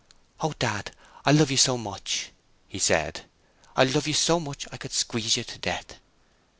'Oh, Dad, I love you so much!' he said. 'I love you so much, I could squeeze you to death.'